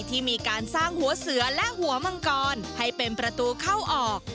ที่มีการสร้างหัวเสือและหัวมังกรให้เป็นประตูเข้าออก